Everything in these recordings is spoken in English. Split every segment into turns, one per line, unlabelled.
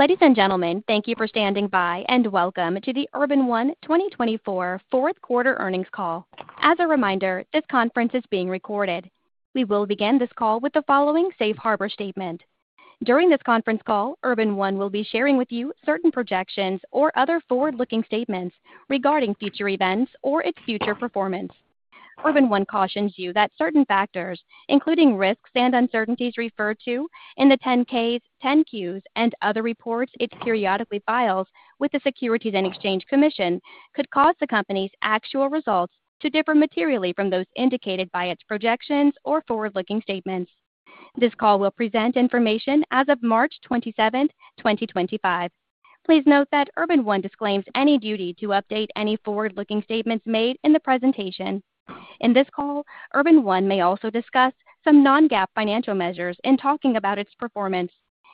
Ladies and gentlemen, thank you for standing by and welcome to the Urban One 2024 fourth quarter earnings call. As a reminder, this conference is being recorded. We will begin this call with the following safe harbor statement. During this conference call, Urban One will be sharing with you certain projections or other forward-looking statements regarding future events or its future performance. Urban One cautions you that certain factors, including risks and uncertainties referred to in the 10-Ks, 10-Qs, and other reports it periodically files with the Securities and Exchange Commission, could cause the company's actual results to differ materially from those indicated by its projections or forward-looking statements. This call will present information as of March 27th, 2025. Please note that Urban One disclaims any duty to update any forward-looking statements made in the presentation. In this call, Urban One may also discuss some non-GAAP financial measures in talking about its performance.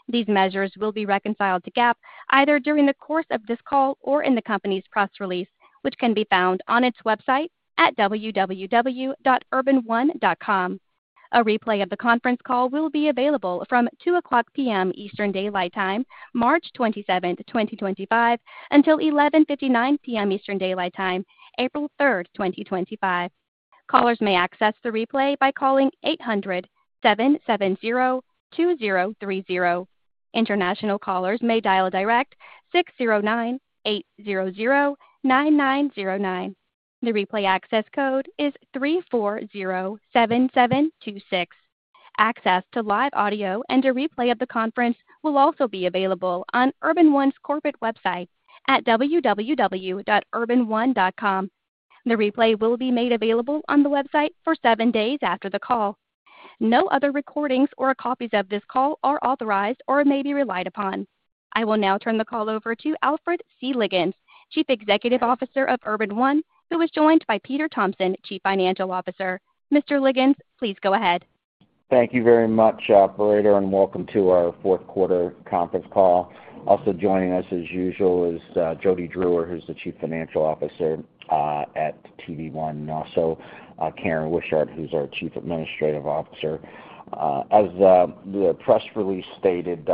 These measures will be reconciled to GAAP either during the course of this call or in the company's press release, which can be found on its website at www.urbanone.com. A replay of the conference call will be available from 2:00 P.M. Eastern Daylight Time, March 27th, 2025, until 11:59 P.M. Eastern Daylight Time, April 3rd, 2025. Callers may access the replay by calling 800-770-2030. International callers may dial direct 609-800-9909. The replay access code is 3407726. Access to live audio and a replay of the conference will also be available on Urban One's corporate website at www.urbanone.com. The replay will be made available on the website for seven days after the call. No other recordings or copies of this call are authorized or may be relied upon. I will now turn the call over to Alfred C. Liggins, Chief Executive Officer of Urban One, who is joined by Peter Thompson, Chief Financial Officer. Mr. Liggins, please go ahead.
Thank you very much, Operator, and welcome to our fourth quarter conference call. Also joining us, as usual, is Jody Drewer, who's the Chief Financial Officer at TV One, and also Karen Wishart, who's our Chief Administrative Officer. As the press release stated,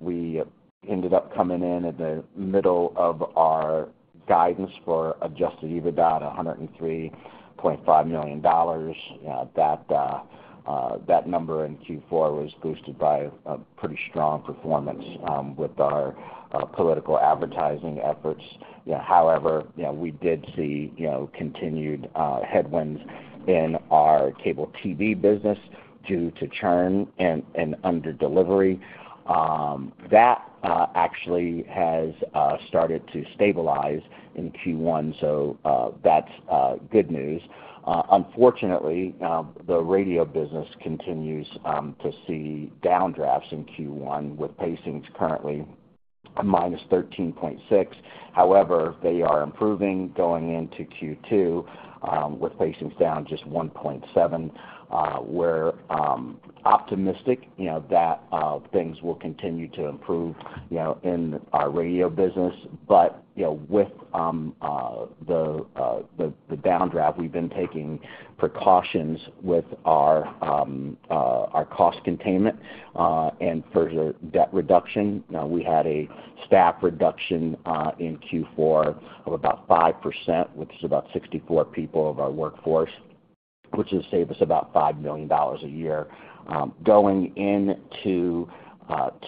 we ended up coming in at the middle of our guidance for adjusted EBITDA at $103.5 million. That number in Q4 was boosted by a pretty strong performance with our political advertising efforts. However, we did see continued headwinds in our cable TV business due to churn and under-delivery. That actually has started to stabilize in Q1, so that's good news. Unfortunately, the radio business continues to see downdrafts in Q1 with pacings currently minus 13.6%. However, they are improving going into Q2 with pacings down just 1.7%. We're optimistic that things will continue to improve in our radio business, but with the downdraft, we've been taking precautions with our cost containment and further debt reduction. We had a staff reduction in Q4 of about 5%, which is about 64 people of our workforce, which has saved us about $5 million a year. Going into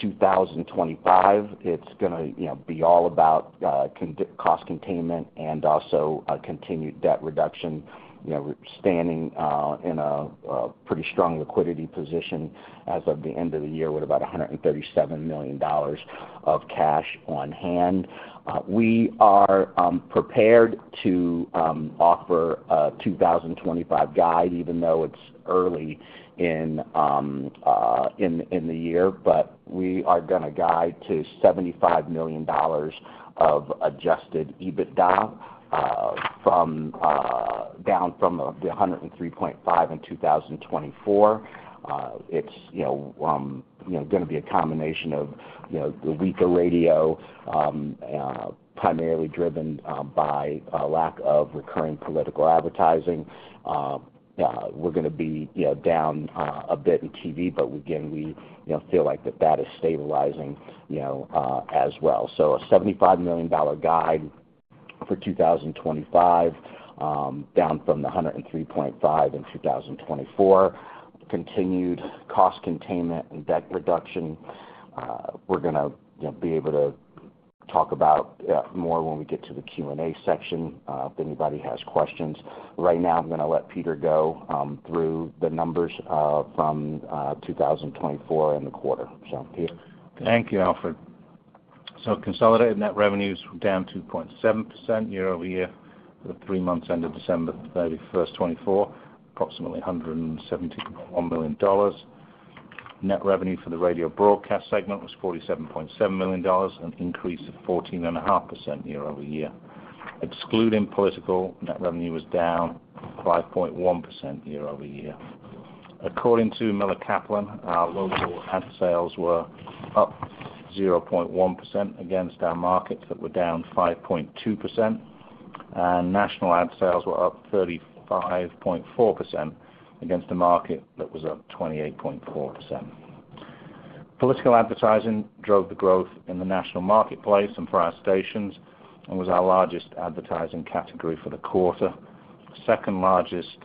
2025, it's going to be all about cost containment and also continued debt reduction, standing in a pretty strong liquidity position as of the end of the year with about $137 million of cash on hand. We are prepared to offer a 2025 guide, even though it's early in the year, but we are going to guide to $75 million of adjusted EBITDA down from the $103.5 million in 2024. It's going to be a combination of the weaker radio, primarily driven by a lack of recurring political advertising. We're going to be down a bit in TV, but again, we feel like that that is stabilizing as well. So a $75 million guide for 2025, down from the $103.5 million in 2024. Continued cost containment and debt reduction. We're going to be able to talk about more when we get to the Q&A section if anybody has questions. Right now, I'm going to let Peter go through the numbers from 2024 and the quarter. So, Peter.
Thank you, Alfred. Consolidated net revenues were down 2.7% year over year for the three months ended December 31st, 2024, approximately $171 million. Net revenue for the radio broadcast segment was $47.7 million, an increase of 14.5% year over year. Excluding political, net revenue was down 5.1% year over year. According to Miller Kaplan, local ad sales were up 0.1% against our market that were down 5.2%, and national ad sales were up 35.4% against a market that was up 28.4%. Political advertising drove the growth in the national marketplace and for our stations, and was our largest advertising category for the quarter. Second largest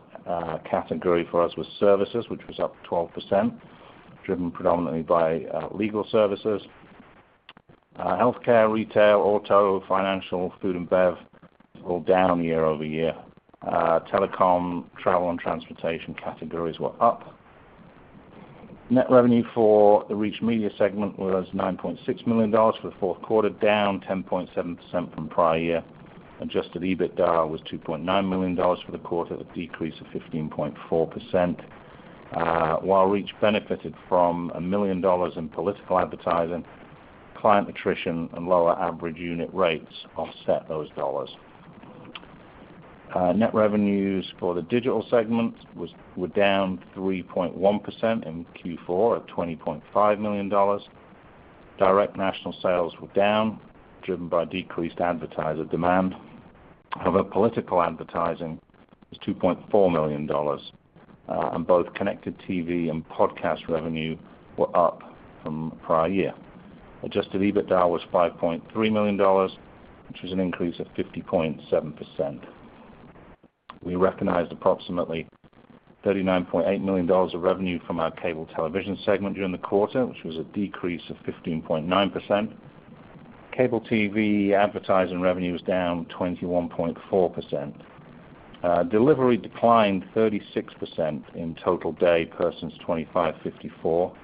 category for us was services, which was up 12%, driven predominantly by legal services. Healthcare, retail, auto, financial, food, and bev all down year over year. Telecom, travel, and transportation categories were up. Net revenue for the Reach Media segment was $9.6 million for the fourth quarter, down 10.7% from prior year. Adjusted EBITDA was $2.9 million for the quarter, a decrease of 15.4%. While Reach benefited from $1 million in political advertising, client attrition and lower average unit rates offset those dollars. Net revenues for the digital segment were down 3.1% in Q4 at $20.5 million. Direct national sales were down, driven by decreased advertiser demand. However, political advertising was $2.4 million, and both Connected TV and podcast revenue were up from prior year. Adjusted EBITDA was $5.3 million, which was an increase of 50.7%. We recognized approximately $39.8 million of revenue from our cable television segment during the quarter, which was a decrease of 15.9%. Cable TV advertising revenue was down 21.4%. Delivery declined 36% in total day persons 25-54.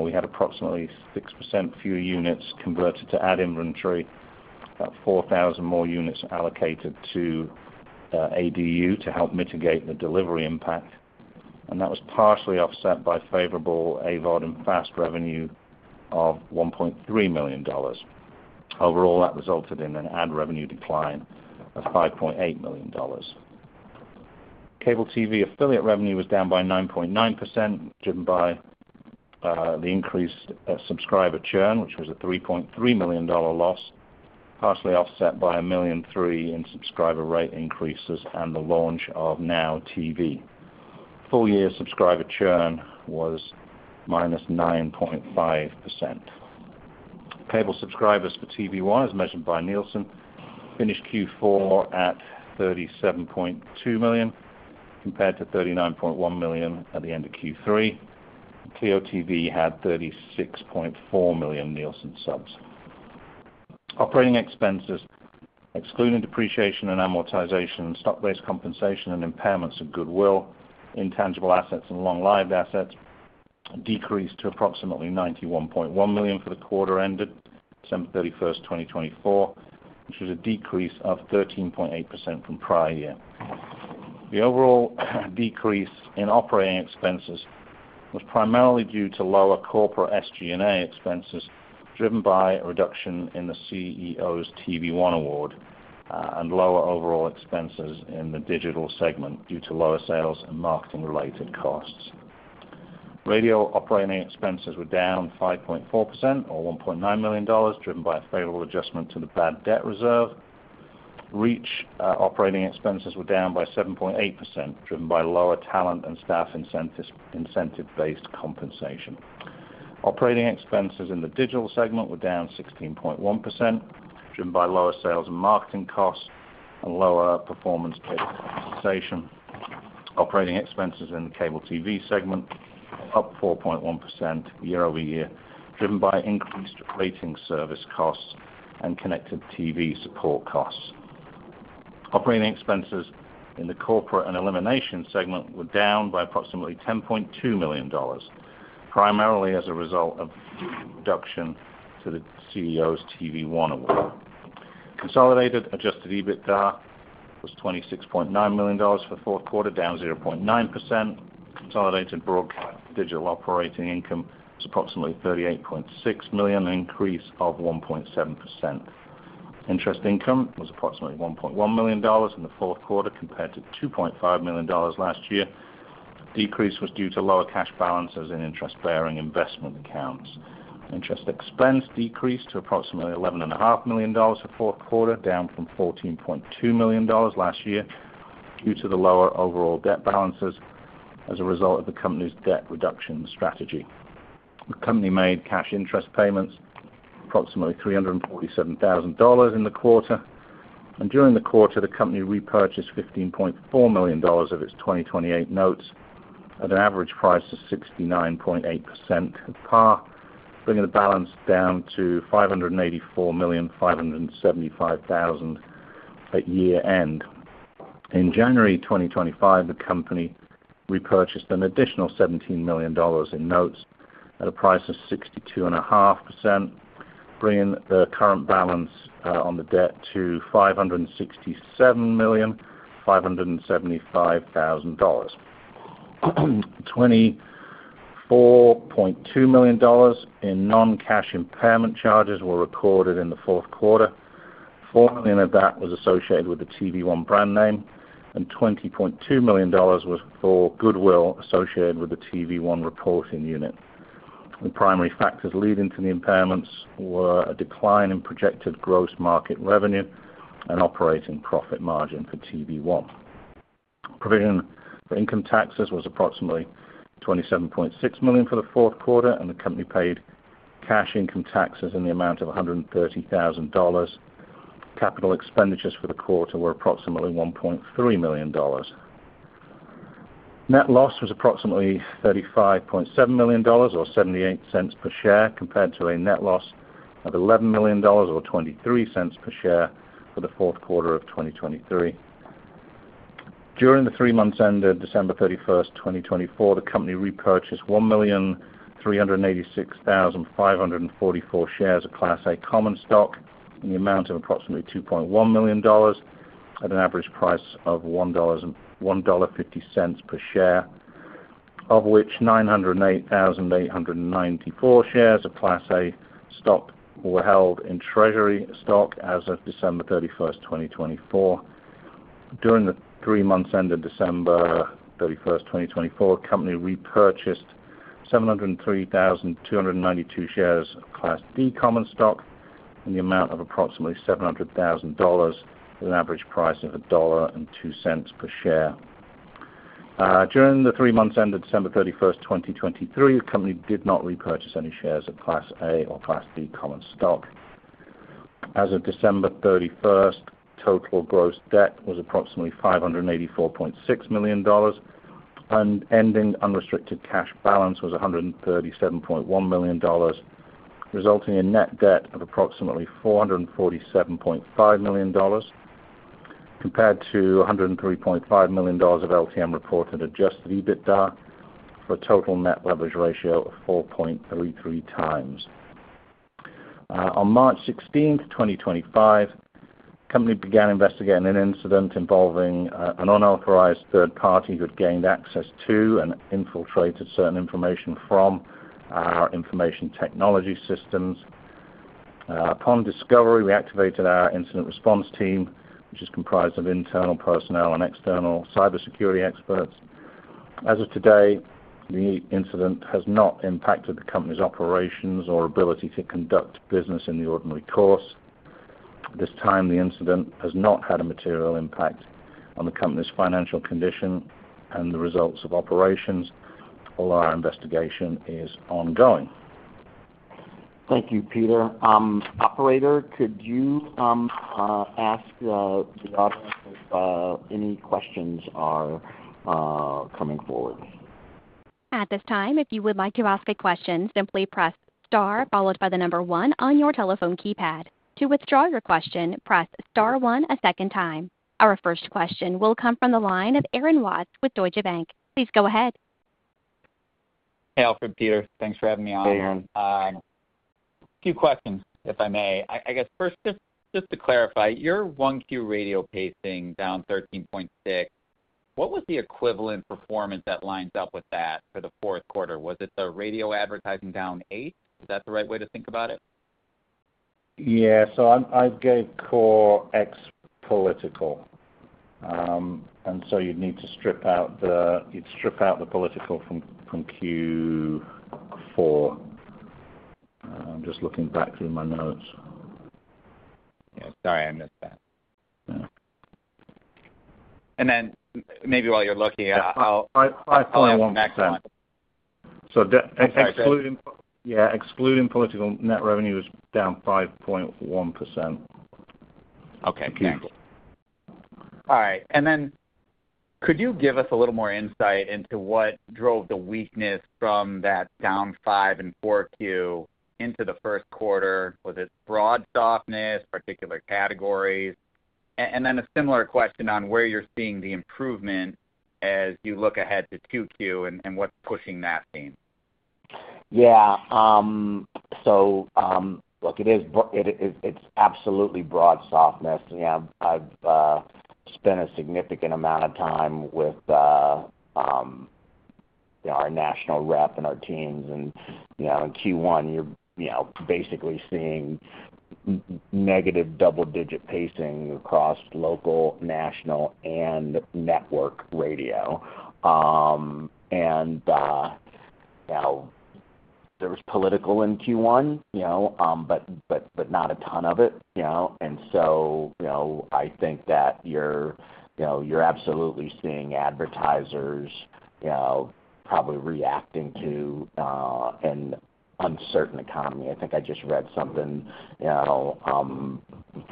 We had approximately 6% fewer units converted to ad inventory, about 4,000 more units allocated to ADU to help mitigate the delivery impact, and that was partially offset by favorable AVOD and FAST revenue of $1.3 million. Overall, that resulted in an ad revenue decline of $5.8 million. Cable TV affiliate revenue was down by 9.9%, driven by the increased subscriber churn, which was a $3.3 million loss, partially offset by a million three in subscriber rate increases and the launch of NOW TV. Full year subscriber churn was minus 9.5%. Cable subscribers for TV One, as mentioned by Nielsen, finished Q4 at 37.2 million compared to 39.1 million at the end of Q3. TV One had 36.4 million Nielsen subs. Operating expenses, excluding depreciation and amortization, stock-based compensation and impairments of goodwill, intangible assets, and long-lived assets decreased to approximately $91.1 million for the quarter ended December 31st, 2024, which was a decrease of 13.8% from prior year. The overall decrease in operating expenses was primarily due to lower corporate SG&A expenses, driven by a reduction in the CEO's TV One award and lower overall expenses in the digital segment due to lower sales and marketing-related costs. Radio operating expenses were down 5.4%, or $1.9 million, driven by a favorable adjustment to the bad debt reserve. Reach operating expenses were down by 7.8%, driven by lower talent and staff incentive-based compensation. Operating expenses in the digital segment were down 16.1%, driven by lower sales and marketing costs and lower performance-based compensation. Operating expenses in the cable TV segment were up 4.1% year over year, driven by increased rating service costs and connected TV support costs. Operating expenses in the corporate and elimination segment were down by approximately $10.2 million, primarily as a result of reduction to the CEO's TV One award. Consolidated adjusted EBITDA was $26.9 million for the fourth quarter, down 0.9%. Consolidated broadcast digital operating income was approximately $38.6 million, an increase of 1.7%. Interest income was approximately $1.1 million in the fourth quarter compared to $2.5 million last year. Decrease was due to lower cash balances in interest-bearing investment accounts. Interest expense decreased to approximately $11.5 million for the fourth quarter, down from $14.2 million last year due to the lower overall debt balances as a result of the company's debt reduction strategy. The company made cash interest payments of approximately $347,000 in the quarter, and during the quarter, the company repurchased $15.4 million of its 2028 notes at an average price of 69.8% par, bringing the balance down to $584,575,000 at year-end. In January 2025, the company repurchased an additional $17 million in notes at a price of 62.5%, bringing the current balance on the debt to $567,575,000. $24.2 million in non-cash impairment charges were recorded in the fourth quarter. $4 million of that was associated with the TV One brand name, and $20.2 million was for goodwill associated with the TV One reporting unit. The primary factors leading to the impairments were a decline in projected gross market revenue and operating profit margin for TV One. Provision for income taxes was approximately $27.6 million for the fourth quarter, and the company paid cash income taxes in the amount of $130,000. Capital expenditures for the quarter were approximately $1.3 million. Net loss was approximately $35.7 million, or $0.78 per share, compared to a net loss of $11 million, or $0.23 per share for the fourth quarter of 2023. During the three months ended December 31st, 2024, the company repurchased 1,386,544 shares of Class A Common Stock in the amount of approximately $2.1 million at an average price of $1.50 per share, of which 908,894 shares of Class A stock were held in treasury stock as of December 31st, 2024. During the three months ended December 31st, 2024, the company repurchased 703,292 shares of Class D Common Stock in the amount of approximately $700,000 at an average price of $1.02 per share. During the three months ended December 31st, 2023, the company did not repurchase any shares of Class A or Class D Common Stock. As of December 31st, total gross debt was approximately $584.6 million, and ending unrestricted cash balance was $137.1 million, resulting in net debt of approximately $447.5 million compared to $103.5 million of LTM reported adjusted EBITDA for a total net leverage ratio of 4.33 times. On March 16th, 2025, the company began investigating an incident involving an unauthorized third party who had gained access to and infiltrated certain information from our information technology systems. Upon discovery, we activated our incident response team, which is comprised of internal personnel and external cybersecurity experts. As of today, the incident has not impacted the company's operations or ability to conduct business in the ordinary course. At this time, the incident has not had a material impact on the company's financial condition and the results of operations all our investigation is ongoing.
Thank you, Peter. Operator, could you ask the audience if any questions are coming forward?
At this time, if you would like to ask a question, simply press star followed by the number one on your telephone keypad. To withdraw your question, press star one a second time. Our first question will come from the line of Aaron Watts with Deutsche Bank. Please go ahead.
Hey, Alfred, Peter. Thanks for having me on.
Hey, Aaron.
A few questions, if I may. I guess first, just to clarify, your 1Q radio pacing down 13.6%, what was the equivalent performance that lines up with that for the fourth quarter? Was it the radio advertising down 8%? Is that the right way to think about it?
Yeah. I gave core X political. You'd need to strip out the political from Q4. I'm just looking back through my notes.
Yeah. Sorry, I missed that.
Yeah.
Maybe while you're looking, I'll explain next time.
Excluding political, yeah, excluding political, net revenue was down 5.1%.
Okay.
Thank you.
All right. Could you give us a little more insight into what drove the weakness from that down five in 4Q into the first quarter? Was it broad softness, particular categories? A similar question on where you're seeing the improvement as you look ahead to 2Q and what's pushing that theme?
Yeah. Look, it's absolutely broad softness. I've spent a significant amount of time with our national rep and our teams. In Q1, you're basically seeing negative double-digit pacing across local, national, and network radio. There was political in Q1, but not a ton of it. I think that you're absolutely seeing advertisers probably reacting to an uncertain economy. I think I just read something from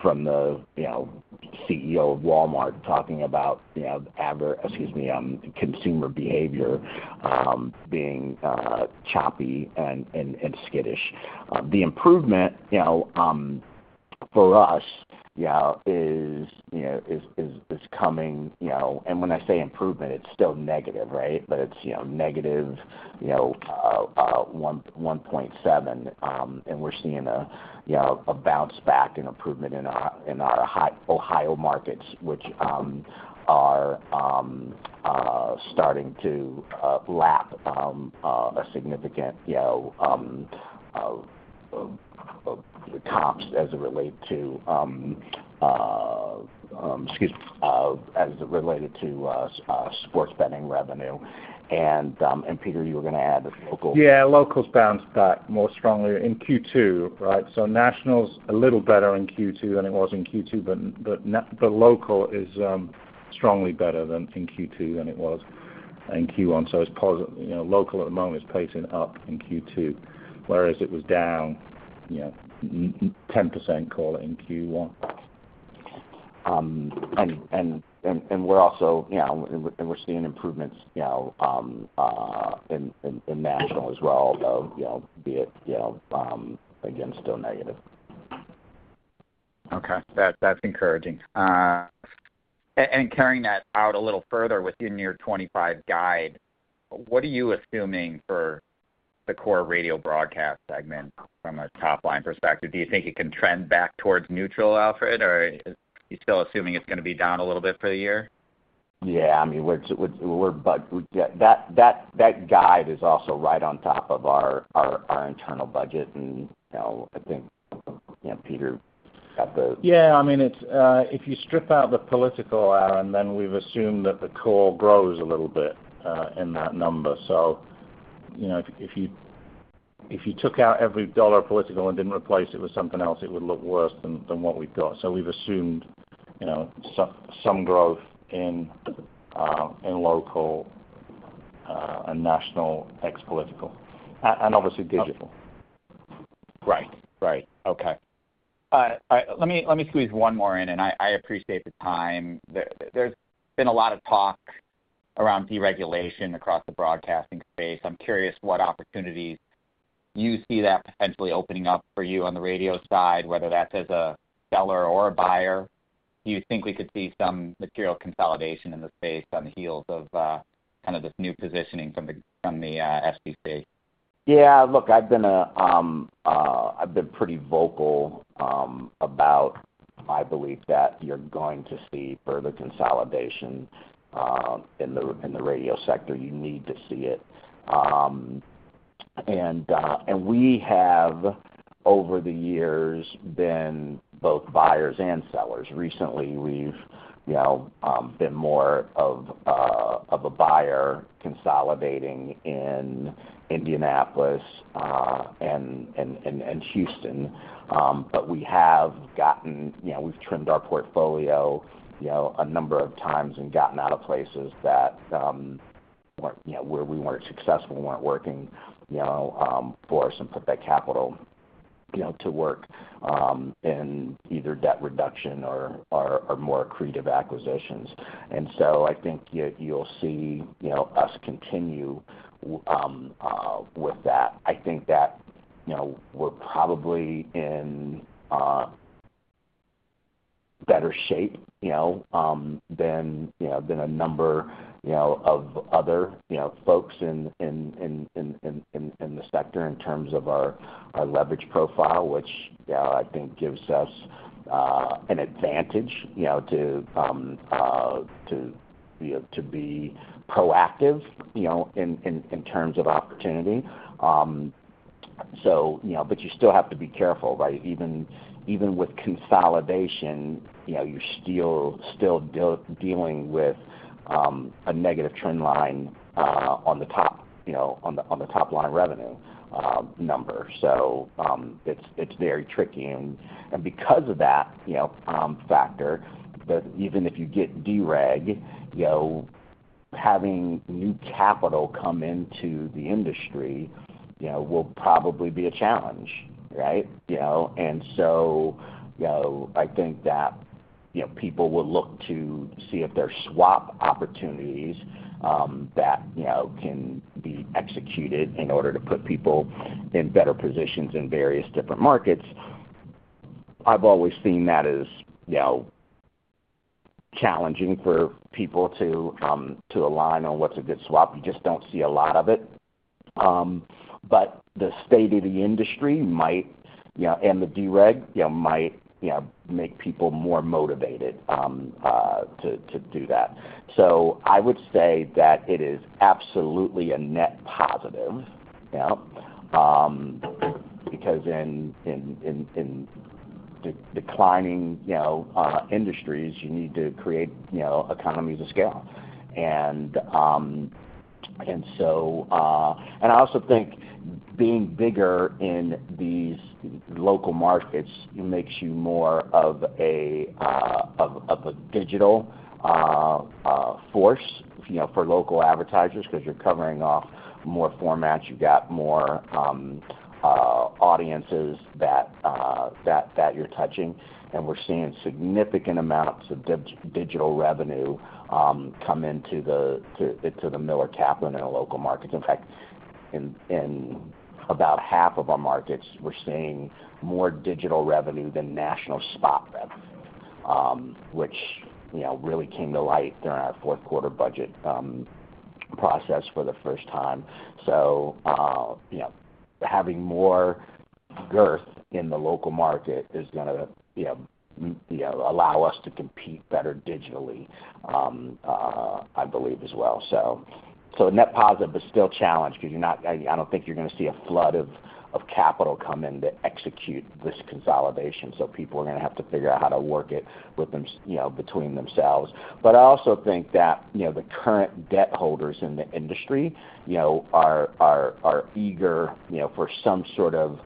the CEO of Walmart talking about, excuse me, consumer behavior being choppy and skittish. The improvement for us is coming. When I say improvement, it's still negative, right? It's negative 1.7. We're seeing a bounce back and improvement in our Ohio markets, which are starting to lap significant comps as it relates to, excuse me, as it related to sports betting revenue. Peter, you were going to add a local.
Yeah. Local's bounced back more strongly in Q2, right? National's a little better in Q2 than it was in Q2, but local is strongly better in Q2 than it was in Q1. Local at the moment is pacing up in Q2, whereas it was down 10%, call it, in Q1.
We're also seeing improvements in national as well, be it against still negative.
Okay. That's encouraging. Carrying that out a little further within your 2025 guide, what are you assuming for the core radio broadcast segment from a top-line perspective? Do you think it can trend back towards neutral, Alfred, or are you still assuming it's going to be down a little bit for the year?
Yeah. I mean, we're, but that guide is also right on top of our internal budget. I think Peter got the.
Yeah. I mean, if you strip out the political, Aaron, then we've assumed that the core grows a little bit in that number. If you took out every dollar political and did not replace it with something else, it would look worse than what we've got. We've assumed some growth in local and national X political, and obviously digital.
Right. Right. Okay.
All right. Let me squeeze one more in, and I appreciate the time. There's been a lot of talk around deregulation across the broadcasting space. I'm curious what opportunities you see that potentially opening up for you on the radio side, whether that's as a seller or a buyer. Do you think we could see some material consolidation in the space on the heels of kind of this new positioning from the FCC?
Yeah. Look, I've been pretty vocal about my belief that you're going to see further consolidation in the radio sector. You need to see it. We have, over the years, been both buyers and sellers. Recently, we've been more of a buyer consolidating in Indianapolis and Houston. We have trimmed our portfolio a number of times and gotten out of places that were where we weren't successful, weren't working for us, and put that capital to work in either debt reduction or more accretive acquisitions. I think you'll see us continue with that. I think that we're probably in better shape than a number of other folks in the sector in terms of our leverage profile, which I think gives us an advantage to be proactive in terms of opportunity. You still have to be careful, right? Even with consolidation, you're still dealing with a negative trend line on the top line revenue number. It is very tricky. Because of that factor, even if you get dereg, having new capital come into the industry will probably be a challenge, right? I think that people will look to see if there's swap opportunities that can be executed in order to put people in better positions in various different markets. I've always seen that as challenging for people to align on what's a good swap. You just don't see a lot of it. The state of the industry and the dereg might make people more motivated to do that. I would say that it is absolutely a net positive because in declining industries, you need to create economies of scale. I also think being bigger in these local markets makes you more of a digital force for local advertisers because you're covering off more formats. You've got more audiences that you're touching. We're seeing significant amounts of digital revenue come into the Miller Kaplan in local markets. In fact, in about half of our markets, we're seeing more digital revenue than national spot revenue, which really came to light during our fourth quarter budget process for the first time. Having more girth in the local market is going to allow us to compete better digitally, I believe, as well. Net positive, but still a challenge because I don't think you're going to see a flood of capital come in to execute this consolidation. People are going to have to figure out how to work it between themselves. I also think that the current debt holders in the industry are eager for some sort of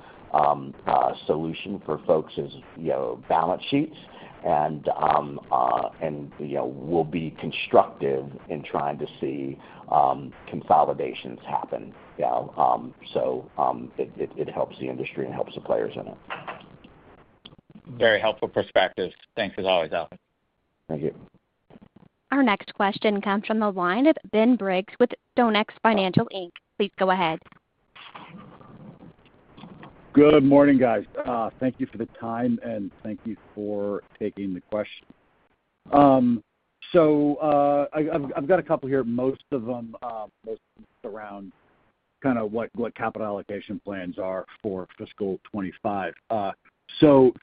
solution for folks' balance sheets and will be constructive in trying to see consolidations happen. It helps the industry and helps the players in it.
Very helpful perspectives. Thanks as always, Alfred.
Thank you.
Our next question comes from the line of Ben Briggs with StoneX Financial Inc. Please go ahead.
Good morning, guys. Thank you for the time, and thank you for taking the question. I've got a couple here. Most of them are around kind of what capital allocation plans are for fiscal 2025.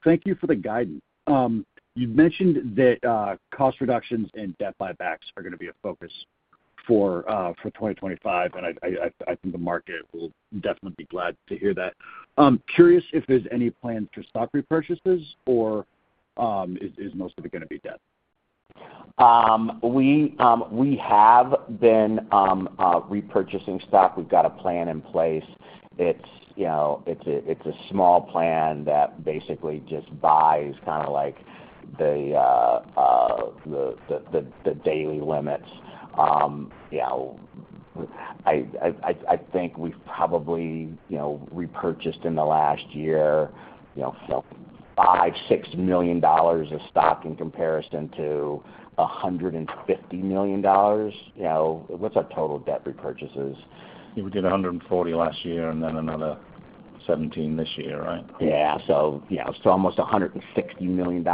Thank you for the guidance. You mentioned that cost reductions and debt buybacks are going to be a focus for 2025, and I think the market will definitely be glad to hear that. Curious if there's any plans for stock repurchases, or is most of it going to be debt?
We have been repurchasing stock. We've got a plan in place. It's a small plan that basically just buys kind of like the daily limits. I think we've probably repurchased in the last year $5 million-$6 million of stock in comparison to $150 million. What's our total debt repurchases?
We did $140 million last year and then another $17 million this year, right?
Yeah. So almost $160 million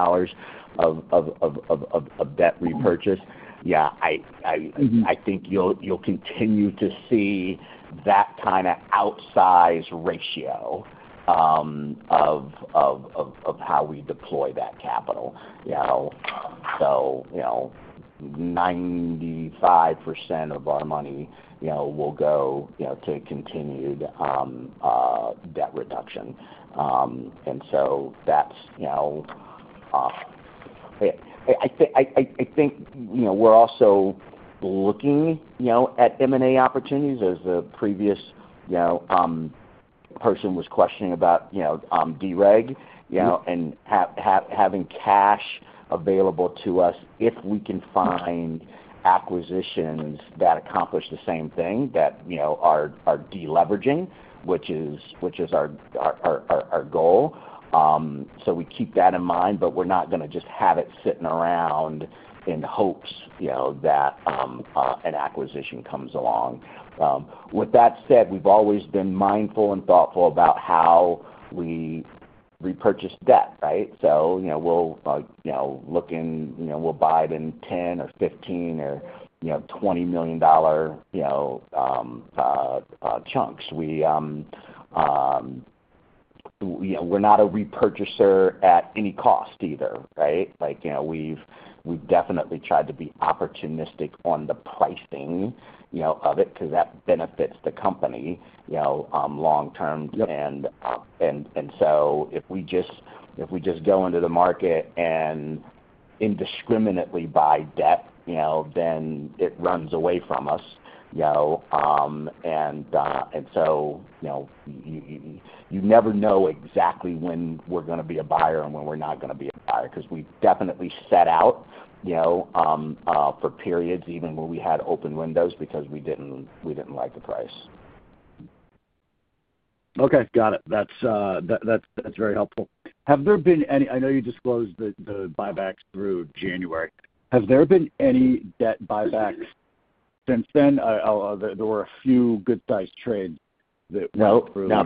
of debt repurchase. Yeah. I think you'll continue to see that kind of outsize ratio of how we deploy that capital. So 95% of our money will go to continued debt reduction. That's I think we're also looking at M&A opportunities as the previous person was questioning about dereg and having cash available to us if we can find acquisitions that accomplish the same thing, that are deleveraging, which is our goal. We keep that in mind, but we're not going to just have it sitting around in hopes that an acquisition comes along. With that said, we've always been mindful and thoughtful about how we repurchase debt, right? We'll look in, we'll buy it in $10 or $15 or $20 million dollar chunks. We're not a repurchaser at any cost either, right? We've definitely tried to be opportunistic on the pricing of it because that benefits the company long term. If we just go into the market and indiscriminately buy debt, then it runs away from us. You never know exactly when we're going to be a buyer and when we're not going to be a buyer because we've definitely set out for periods, even when we had open windows, because we didn't like the price.
Okay. Got it. That's very helpful. Have there been any, I know you disclosed the buybacks through January. Have there been any debt buybacks since then? There were a few good-sized trades that went through.
No.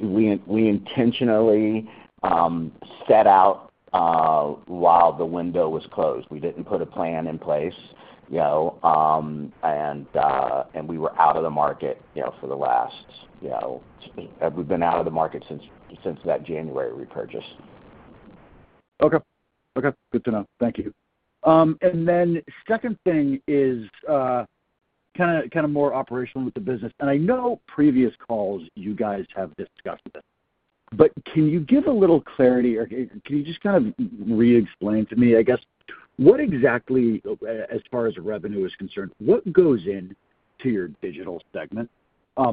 We intentionally set out while the window was closed. We did not put a plan in place. We were out of the market for the last—we have been out of the market since that January repurchase.
Okay. Okay. Good to know. Thank you. The second thing is kind of more operational with the business. I know previous calls you guys have discussed this, but can you give a little clarity, or can you just kind of re-explain to me, I guess, what exactly, as far as revenue is concerned, what goes into your digital segment?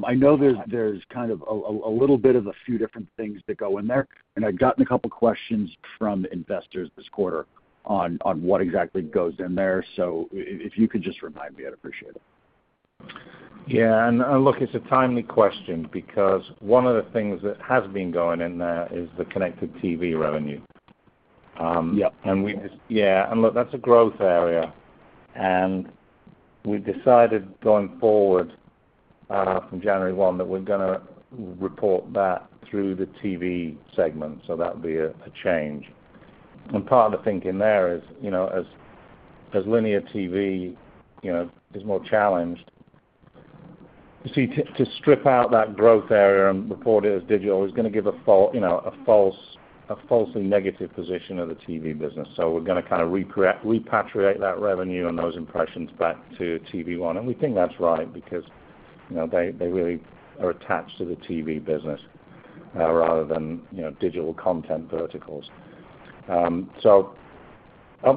I know there's kind of a little bit of a few different things that go in there, and I've gotten a couple of questions from investors this quarter on what exactly goes in there. If you could just remind me, I'd appreciate it.
Yeah. Look, it's a timely question because one of the things that has been going in there is the connected TV revenue. Yeah, look, that's a growth area. We've decided going forward from January 1 that we're going to report that through the TV segment. That would be a change. Part of the thinking there is, as linear TV is more challenged, to strip out that growth area and report it as digital is going to give a falsely negative position of the TV business. We're going to kind of repatriate that revenue and those impressions back to TV One. We think that's right because they really are attached to the TV business rather than digital content verticals. Up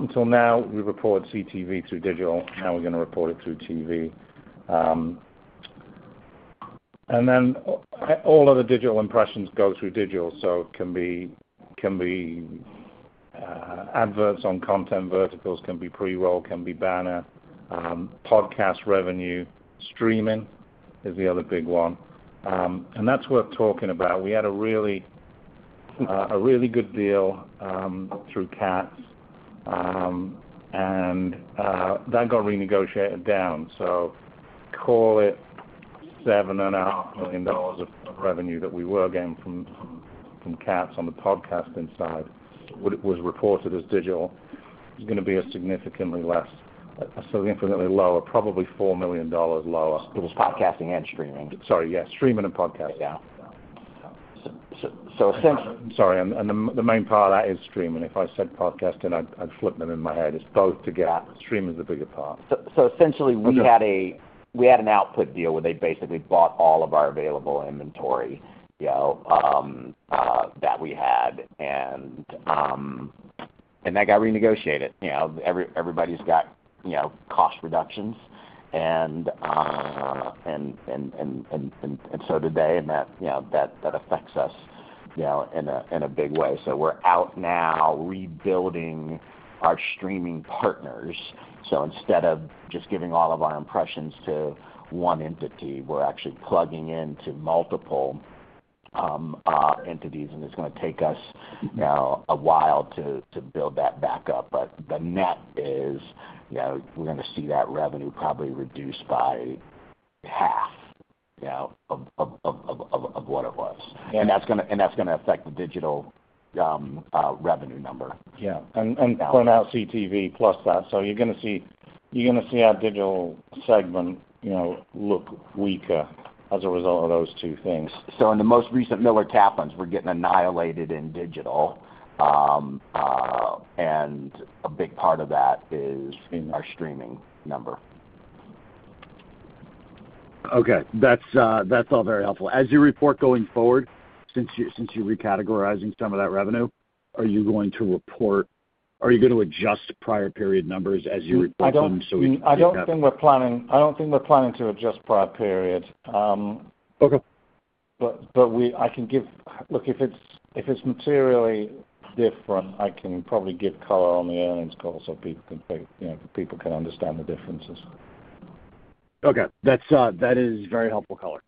until now, we reported CTV through digital. Now we're going to report it through TV. All other digital impressions go through digital. It can be adverts on content verticals, can be pre-roll, can be banner. Podcast revenue, streaming is the other big one. That is worth talking about. We had a really good deal through Katz, and that got renegotiated down. Call it $7.5 million of revenue that we were getting from Katz on the podcasting side was reported as digital. It is going to be significantly less, so infinitely lower, probably $4 million lower.
It was podcasting and streaming.
Sorry. Yeah. Streaming and podcasting.
So essentially.
Sorry. The main part of that is streaming. If I said podcasting, I flipped them in my head. It's both together. Streaming is the bigger part.
Essentially, we had an output deal where they basically bought all of our available inventory that we had, and that got renegotiated. Everybody's got cost reductions, and so did they, and that affects us in a big way. We're out now rebuilding our streaming partners. Instead of just giving all of our impressions to one entity, we're actually plugging into multiple entities, and it's going to take us a while to build that back up. The net is we're going to see that revenue probably reduced by half of what it was. That's going to affect the digital revenue number.
Yeah. Putting out CTV plus that. You're going to see our digital segment look weaker as a result of those two things.
In the most recent Miller Kaplan, we're getting annihilated in digital, and a big part of that is in our streaming number.
Okay. That's all very helpful. As you report going forward, since you're recategorizing some of that revenue, are you going to report, are you going to adjust prior period numbers as you report them so we can compare?
I don't think we're planning to adjust prior period. I can give, look, if it's materially different, I can probably give color on the earnings call so people can understand the differences.
Okay. That is very helpful color.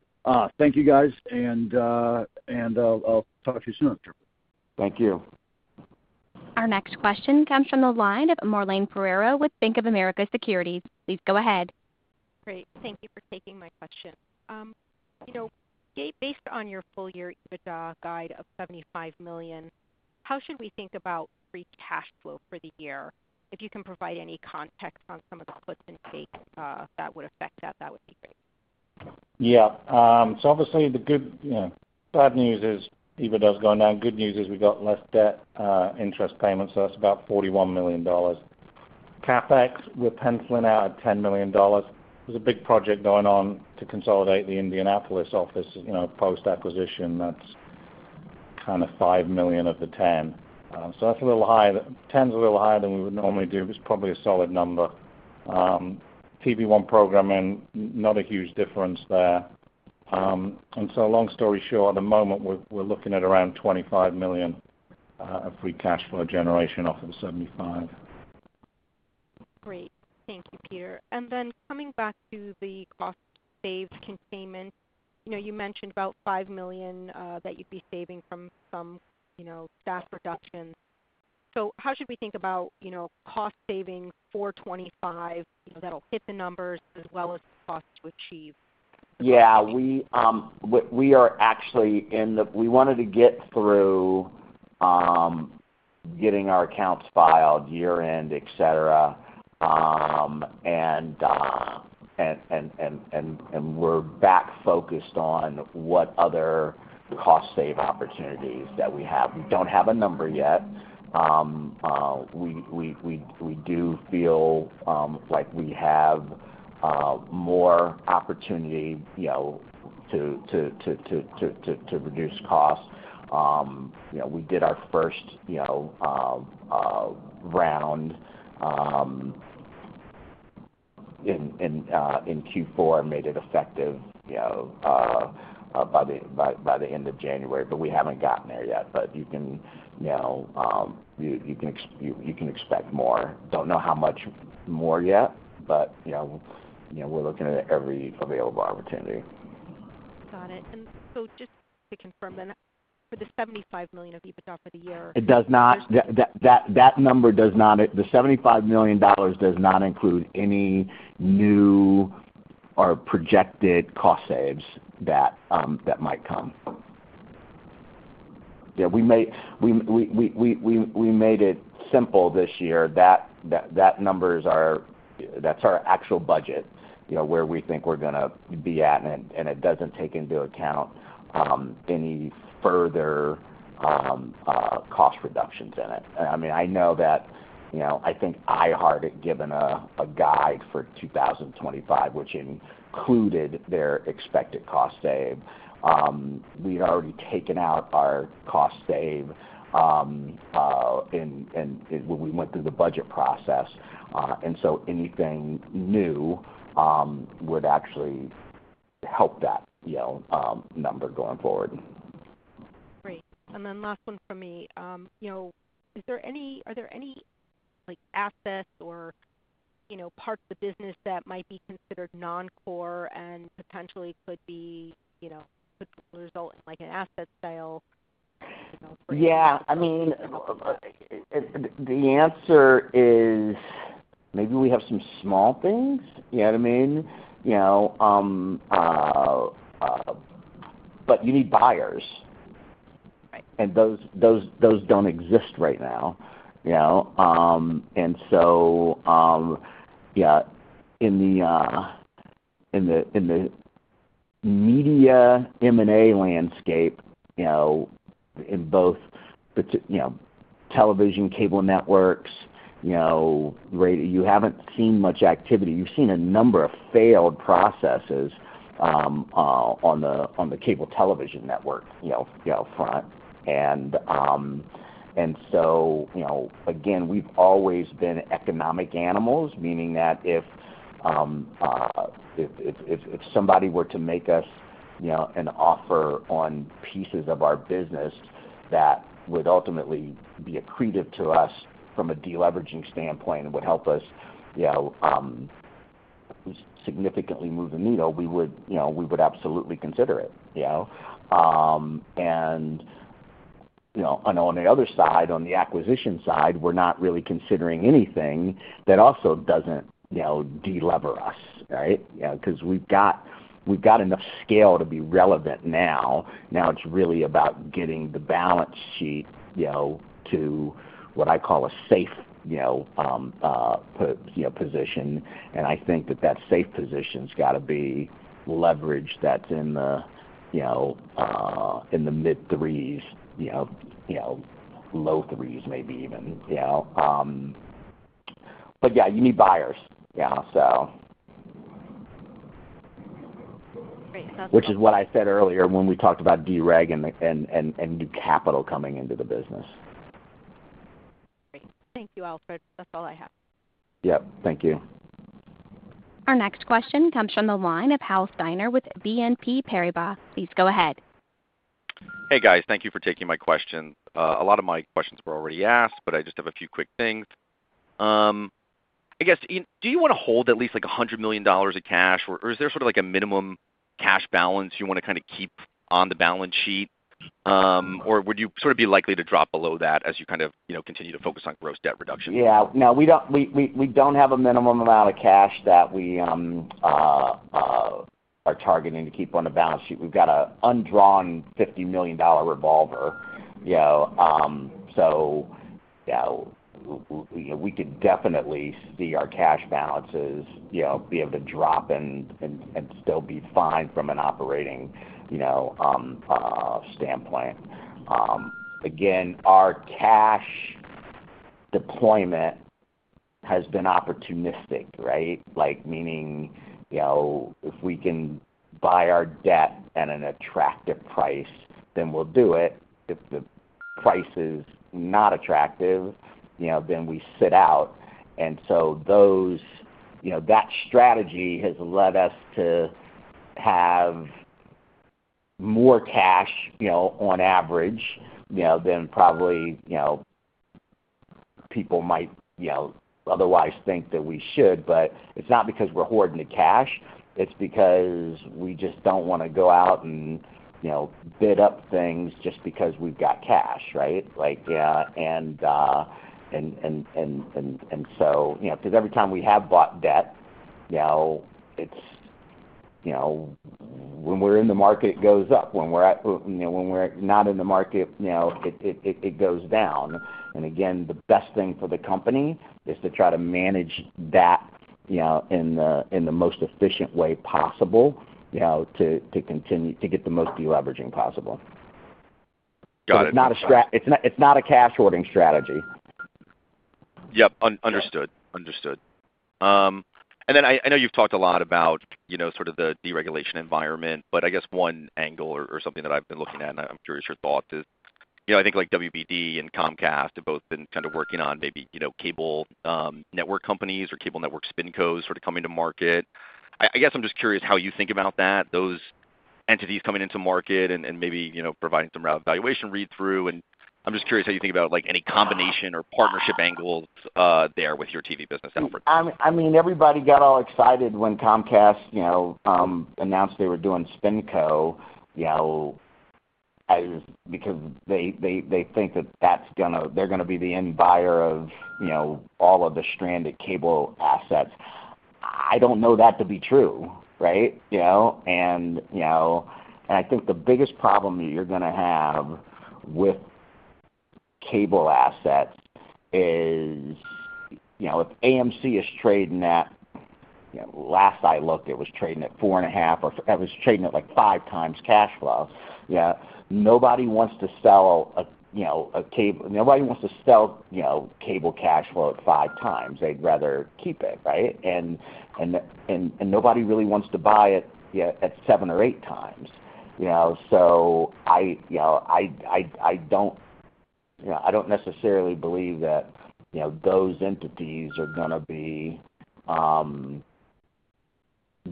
Thank you, guys, and I'll talk to you soon,
Thank you.
Our next question comes from the line of Marlane Pereiro with Bank of America Securities. Please go ahead.
Great. Thank you for taking my question. Based on your full year EBITDA guide of $75 million, how should we think about free cash flow for the year? If you can provide any context on some of the puts and takes that would affect that, that would be great.
Yeah. So obviously, the good bad news is EBITDA is going down. Good news is we got less debt interest payments, so that's about $41 million. CapEx, we're penciling out at $10 million. There's a big project going on to consolidate the Indianapolis office post-acquisition. That's kind of $5 million of the $10 million. So that's a little higher. $10 million is a little higher than we would normally do, but it's probably a solid number. TV One programming, not a huge difference there. And so long story short, at the moment, we're looking at around $25 million of free cash flow generation off of '$75 million.
Great. Thank you, Peter. Coming back to the cost-saved containment, you mentioned about $5 million that you'd be saving from some staff reductions. How should we think about cost savings for 2025 that'll hit the numbers as well as the cost to achieve?
Yeah. We are actually in the we wanted to get through getting our accounts filed, year-end, etc., and we're back focused on what other cost-save opportunities that we have. We do not have a number yet. We do feel like we have more opportunity to reduce costs. We did our first round in Q4 and made it effective by the end of January. We have not gotten there yet. You can expect more. Do not know how much more yet, but we are looking at every available opportunity.
Got it. Just to confirm then, for the $75 million of EBITDA for the year.
That number does not, the $75 million does not include any new or projected cost saves that might come. Yeah. We made it simple this year. That number is our, that's our actual budget where we think we're going to be at, and it doesn't take into account any further cost reductions in it. I mean, I know that I think iHeart it given a guide for 2025, which included their expected cost save. We had already taken out our cost save when we went through the budget process. Anything new would actually help that number going forward.
Great. Last one from me. Are there any assets or parts of the business that might be considered non-core and potentially could result in an asset sale?
Yeah. I mean, the answer is maybe we have some small things. You know what I mean? But you need buyers, and those do not exist right now. Yeah, in the media M&A landscape, in both television cable networks, you have not seen much activity. You have seen a number of failed processes on the cable television network front. Again, we have always been economic animals, meaning that if somebody were to make us an offer on pieces of our business that would ultimately be accretive to us from a deleveraging standpoint and would help us significantly move the needle, we would absolutely consider it. On the other side, on the acquisition side, we are not really considering anything that also does not delever us, right? Because we have enough scale to be relevant now. Now it is really about getting the balance sheet to what I call a safe position. I think that that safe position's got to be leveraged that's in the mid-threes, low-threes maybe even. You need buyers, so.
Great. That's all.
Which is what I said earlier when we talked about DREG and new capital coming into the business.
Great. Thank you, Alfred. That's all I have.
Yep. Thank you.
Our next question comes from the line of Hal Steiner with BNP Paribas. Please go ahead.
Hey, guys. Thank you for taking my question. A lot of my questions were already asked, but I just have a few quick things. I guess, do you want to hold at least $100 million of cash, or is there sort of a minimum cash balance you want to kind of keep on the balance sheet, or would you sort of be likely to drop below that as you kind of continue to focus on gross debt reduction?
Yeah. No, we do not have a minimum amount of cash that we are targeting to keep on the balance sheet. We have got an undrawn $50 million revolver. Yeah, we could definitely see our cash balances be able to drop and still be fine from an operating standpoint. Again, our cash deployment has been opportunistic, right? Meaning if we can buy our debt at an attractive price, then we will do it. If the price is not attractive, then we sit out. That strategy has led us to have more cash on average than probably people might otherwise think that we should. It is not because we are hoarding the cash. It is because we just do not want to go out and bid up things just because we have got cash, right? Every time we have bought debt, when we are in the market, it goes up. When we're not in the market, it goes down. The best thing for the company is to try to manage that in the most efficient way possible to get the most deleveraging possible.
Got it.
It's not a cash hoarding strategy.
Yep. Understood. Understood. I know you've talked a lot about sort of the deregulation environment, but I guess one angle or something that I've been looking at, and I'm curious your thoughts, is I think WBD and Comcast have both been kind of working on maybe cable network companies or cable network SpinCos sort of coming to market. I guess I'm just curious how you think about that, those entities coming into market and maybe providing some valuation read-through. I'm just curious how you think about any combination or partnership angles there with your TV business efforts.
I mean, everybody got all excited when Comcast announced they were doing SpinCo because they think that they're going to be the end buyer of all of the stranded cable assets. I don't know that to be true, right? I think the biggest problem you're going to have with cable assets is if AMC is trading at, last I looked, it was trading at four and a half or it was trading at five times cash flow. Yeah. Nobody wants to sell a cable. Nobody wants to sell cable cash flow at five times. They'd rather keep it, right? Nobody really wants to buy it at seven or eight times. I don't necessarily believe that those entities are going to be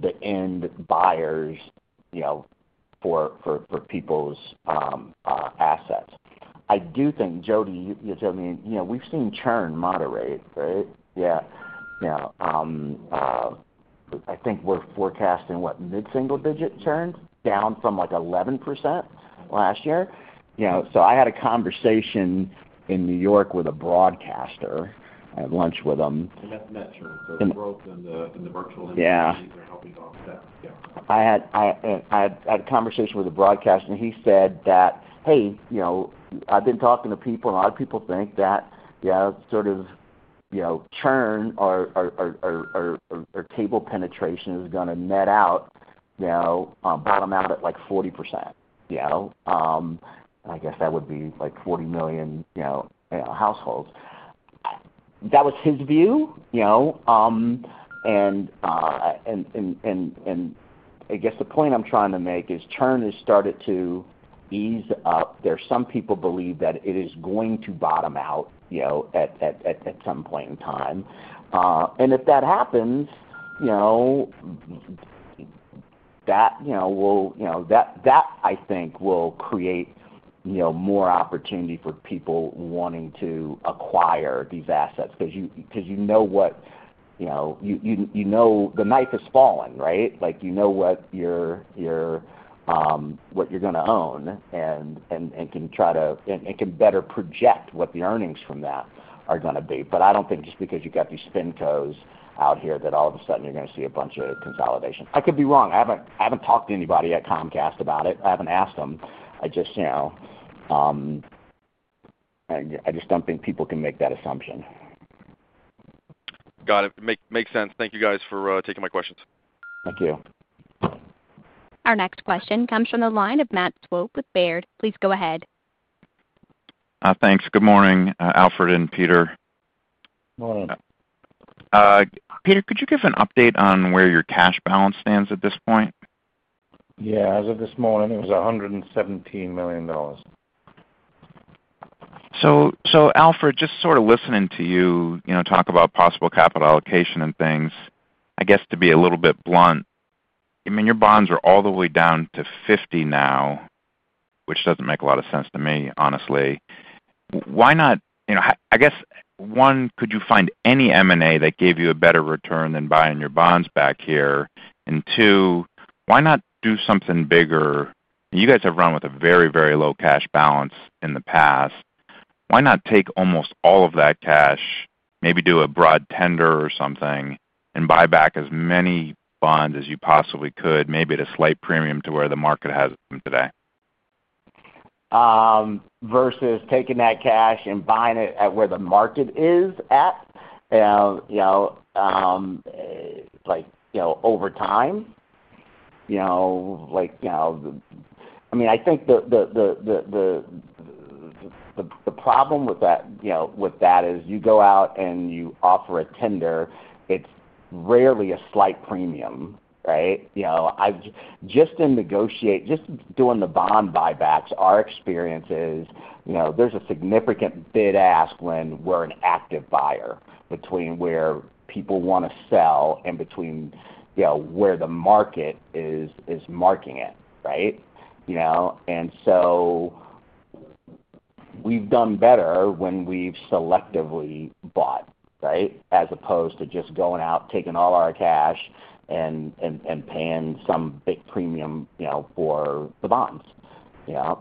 the end buyers for people's assets. I do think, Jody, you're telling me we've seen churn moderate, right? Yeah. I think we're forecasting, what, mid-single-digit churn down from like 11% last year. I had a conversation in New York with a broadcaster. I had lunch with him.
That is not true. The growth in the virtual entities are helping offset the gap.
I had a conversation with a broadcaster, and he said that, "Hey, I've been talking to people, and a lot of people think that sort of churn or cable penetration is going to net out, bottom out at like 40%." I guess that would be like 40 million households. That was his view. I guess the point I'm trying to make is churn has started to ease up. There's some people believe that it is going to bottom out at some point in time. If that happens, that will, I think, create more opportunity for people wanting to acquire these assets because you know what, you know the knife is falling, right? You know what you're going to own and can try to and can better project what the earnings from that are going to be. I do not think just because you have got these SpinCo's out here that all of a sudden you are going to see a bunch of consolidation. I could be wrong. I have not talked to anybody at Comcast about it. I have not asked them. I just do not think people can make that assumption.
Got it. Makes sense. Thank you, guys, for taking my questions.
Thank you.
Our next question comes from the line of Matt Swope with Baird. Please go ahead.
Thanks. Good morning, Alfred and Peter.
Morning.
Peter, could you give an update on where your cash balance stands at this point?
Yeah. As of this morning, it was $117 million.
Alfred, just sort of listening to you talk about possible capital allocation and things, I guess to be a little bit blunt, I mean, your bonds are all the way down to 50 now, which doesn't make a lot of sense to me, honestly. Why not, I guess, one, could you find any M&A that gave you a better return than buying your bonds back here? And two, why not do something bigger? You guys have run with a very, very low cash balance in the past. Why not take almost all of that cash, maybe do a broad tender or something, and buy back as many bonds as you possibly could, maybe at a slight premium to where the market has it today?
Versus taking that cash and buying it at where the market is at over time. I mean, I think the problem with that is you go out and you offer a tender. It's rarely a slight premium, right? Just in negotiate, just doing the bond buybacks, our experience is there's a significant bid-ask when we're an active buyer between where people want to sell and between where the market is marking it, right? We have done better when we've selectively bought, right, as opposed to just going out, taking all our cash, and paying some big premium for the bonds. Yeah.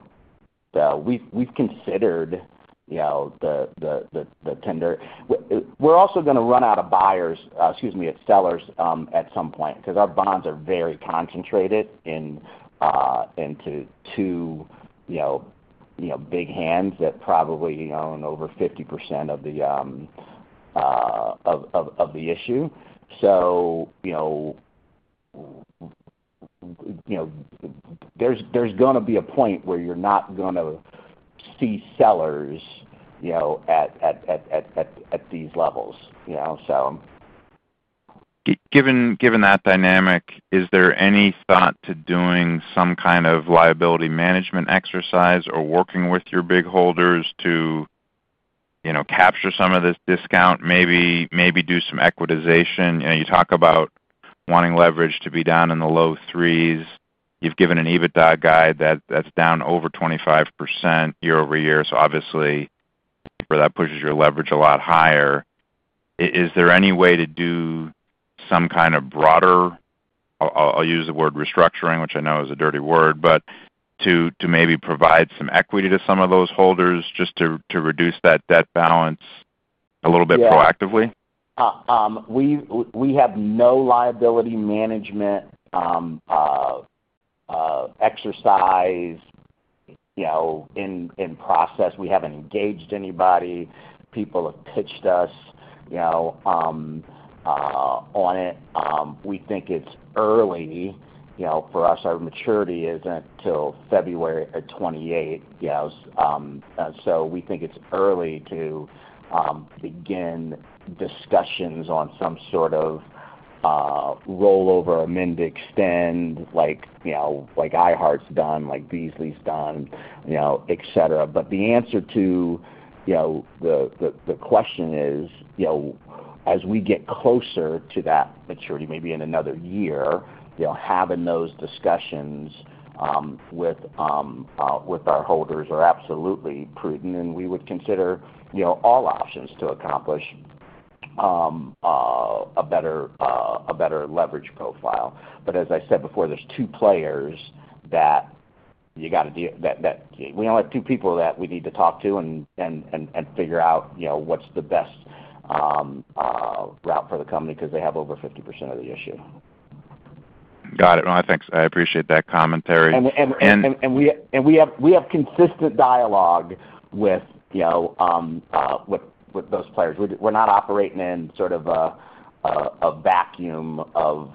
We have considered the tender. We're also going to run out of buyers, excuse me, at sellers at some point because our bonds are very concentrated into two big hands that probably own over 50% of the issue. There's going to be a point where you're not going to see sellers at these levels.
Given that dynamic, is there any thought to doing some kind of liability management exercise or working with your big holders to capture some of this discount, maybe do some equitization? You talk about wanting leverage to be down in the low threes. You've given an EBITDA guide that's down over 25% year over year. Obviously, that pushes your leverage a lot higher. Is there any way to do some kind of broader—I’ll use the word restructuring, which I know is a dirty word—but to maybe provide some equity to some of those holders just to reduce that debt balance a little bit proactively?
Yeah. We have no liability management exercise in process. We haven't engaged anybody. People have pitched us on it. We think it's early for us. Our maturity isn't until February 28th. We think it's early to begin discussions on some sort of rollover amend extend like iHeart's done, like Beasley's done, etc. The answer to the question is, as we get closer to that maturity, maybe in another year, having those discussions with our holders are absolutely prudent, and we would consider all options to accomplish a better leverage profile. As I said before, there's two players that you got to deal with. We only have two people that we need to talk to and figure out what's the best route for the company because they have over 50% of the issue.
Got it. No, I appreciate that commentary.
We have consistent dialogue with those players. We're not operating in sort of a vacuum of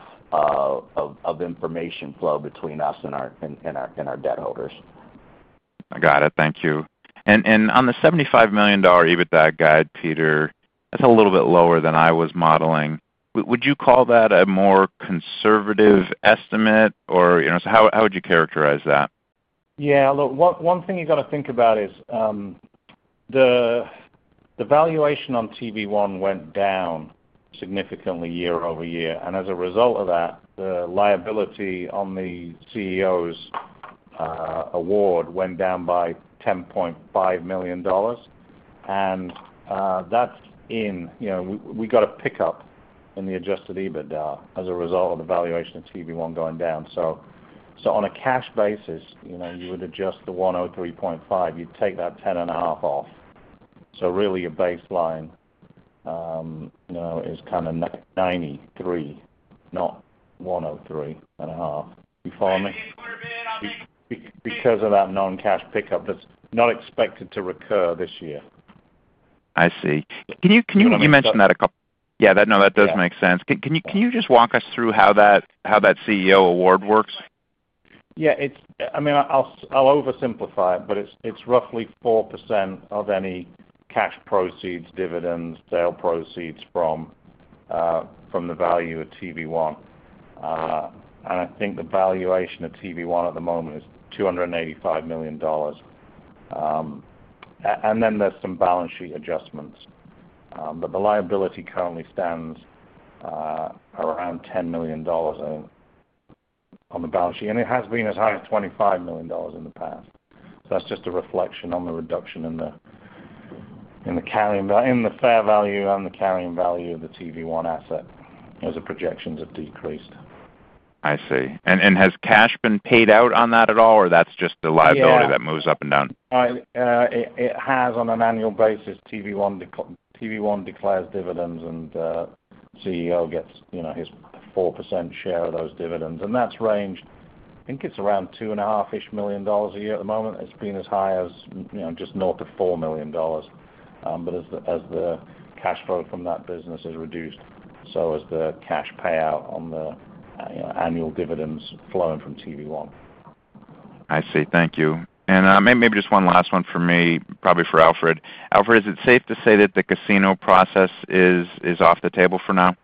information flow between us and our debt holders.
I got it. Thank you. On the $75 million EBITDA guide, Peter, that's a little bit lower than I was modeling. Would you call that a more conservative estimate? Or how would you characterize that?
Yeah. Look, one thing you got to think about is the valuation on TV One went down significantly year over year. As a result of that, the liability on the CEO's award went down by $10.5 million. That is in we got a pickup in the adjusted EBITDA as a result of the valuation of TV One going down. On a cash basis, you would adjust the $103.5. You would take that $10.5 million off. Really, your baseline is kind of $93 million, not $103.5 million. You follow me? That is because of that non-cash pickup that is not expected to recur this year.
I see. You mentioned that a couple—yeah, no, that does make sense. Can you just walk us through how that CEO award works?
Yeah. I mean, I'll oversimplify it, but it's roughly 4% of any cash proceeds, dividends, sale proceeds from the value of TV One. I think the valuation of TV One at the moment is $285 million. There are some balance sheet adjustments. The liability currently stands around $10 million on the balance sheet. It has been as high as $25 million in the past. That's just a reflection on the reduction in the carrying value, in the fair value, and the carrying value of the TV One asset as the projections have decreased.
I see. Has cash been paid out on that at all, or that's just the liability that moves up and down?
It has. On an annual basis, TV One declares dividends, and the CEO gets his 4% share of those dividends. That has ranged—I think it is around $2.5 million a year at the moment. It has been as high as just north of $4 million. As the cash flow from that business has reduced, so has the cash payout on the annual dividends flowing from TV One.
I see. Thank you. Maybe just one last one for me, probably for Alfred. Alfred, is it safe to say that the casino process is off the table for now?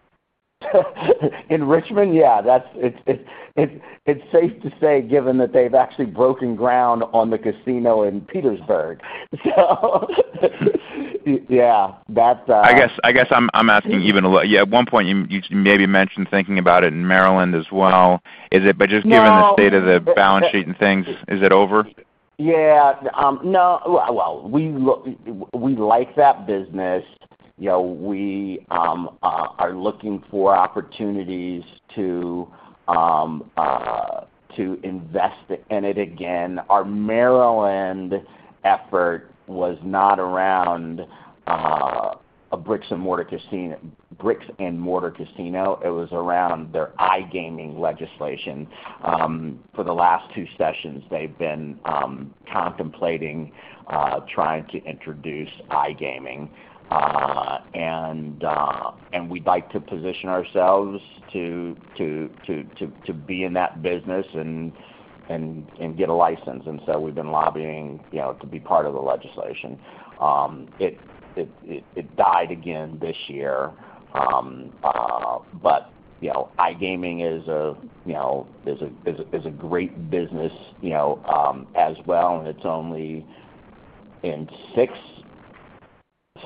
In Richmond, yeah. It's safe to say given that they've actually broken ground on the casino in Petersburg. Yeah.
I guess I'm asking even a little—yeah, at one point, you maybe mentioned thinking about it in Maryland as well. Just given the state of the balance sheet and things, is it over?
Yeah. No. We like that business. We are looking for opportunities to invest in it again. Our Maryland effort was not around a bricks and mortar casino, it was around their iGaming legislation. For the last two sessions, they've been contemplating trying to introduce iGaming. We would like to position ourselves to be in that business and get a license. We have been lobbying to be part of the legislation. It died again this year. iGaming is a great business as well. It is only in six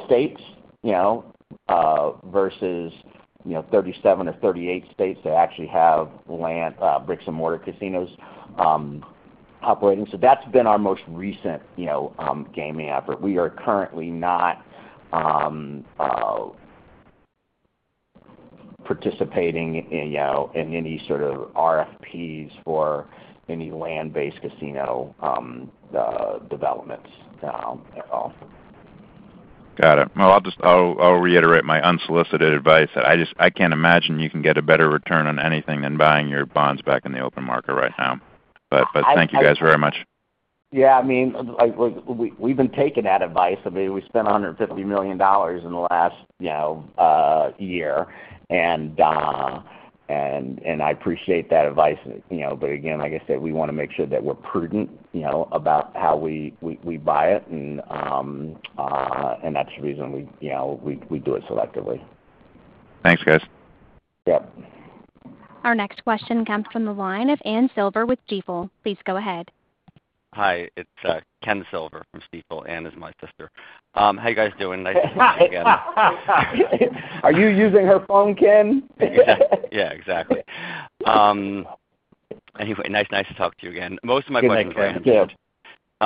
states versus 37 or 38 states that actually have bricks and mortar casinos operating. That has been our most recent gaming effort. We are currently not participating in any sort of RFPs for any land-based casino developments at all.
I will reiterate my unsolicited advice that I can't imagine you can get a better return on anything than buying your bonds back in the open market right now. Thank you guys very much.
Yeah. I mean, look, we've been taking that advice. I mean, we spent $150 million in the last year. I appreciate that advice. Like I said, we want to make sure that we're prudent about how we buy it. That's the reason we do it selectively.
Thanks, guys.
Yep.
Our next question comes from the line of Ann Silver with Stifel Please go ahead.
Hi. It's Ken Silver from Stifel. Ann is my sister. How are you guys doing? Nice to see you again.
Are you using her phone, Ken?
Yeah. Exactly. Anyway, nice to talk to you again. Most of my questions were answered.
Thank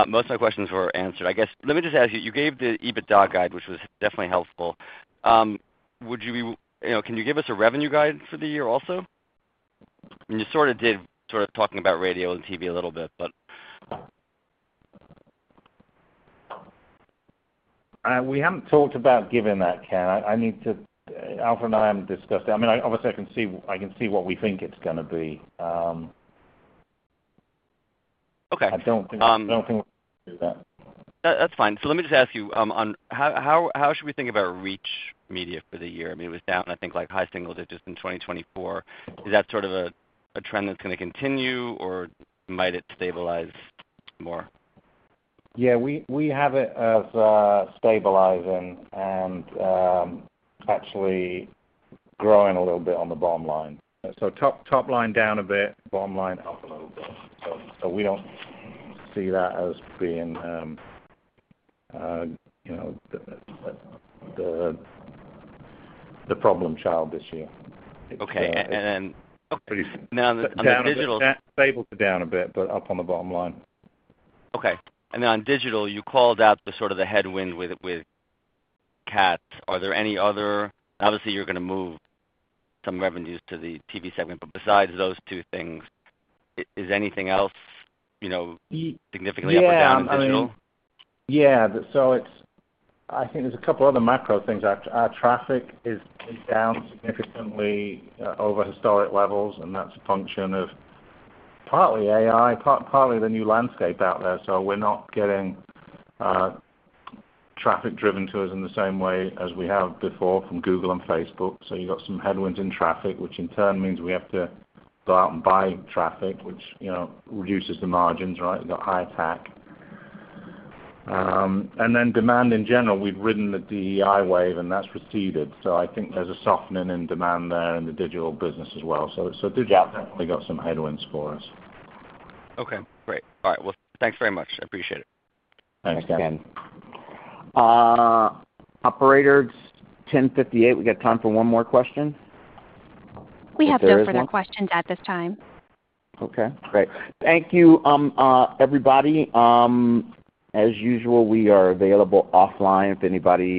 you.
Most of my questions were answered. I guess let me just ask you. You gave the EBITDA guide, which was definitely helpful. Would you be—can you give us a revenue guide for the year also? You sort of did sort of talking about radio and TV a little bit, but.
We haven't talked about giving that, Ken. I need to—I mean, Alfred and I haven't discussed it. I mean, obviously, I can see what we think it's going to be. I don't think we can do that.
That's fine. Let me just ask you, how should we think about Reach Media for the year? I mean, it was down, I think, like high singles just in 2024. Is that sort of a trend that's going to continue, or might it stabilize more?
Yeah. We have it as stabilizing and actually growing a little bit on the bottom line. Top line down a bit, bottom line up a little bit. We do not see that as being the problem child this year.
Okay. And then on the digital?
It's stable to down a bit, but up on the bottom line.
Okay. And then on digital, you called out sort of the headwind with CAC. Are there any other—obviously, you're going to move some revenues to the TV segment. Besides those two things, is anything else significantly up or down on digital?
Yeah. I think there are a couple of other macro things. Our traffic is down significantly over historic levels, and that's a function of partly AI, partly the new landscape out there. We're not getting traffic driven to us in the same way as we have before from Google and Facebook. You have some headwinds in traffic, which in turn means we have to go out and buy traffic, which reduces the margins, right? You have higher tech. Then demand in general, we've ridden the DEI wave, and that's receded. I think there's a softening in demand there in the digital business as well. Digital's definitely got some headwinds for us.
Okay. Great. All right. Thanks very much. I appreciate it.
Thanks, Ken.
Thanks, Ken. Operator, 10:58 A.M., we got time for one more question.
We have no further questions at this time.
Okay. Great. Thank you, everybody. As usual, we are available offline if anybody.